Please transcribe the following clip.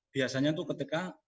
biasanya itu ketika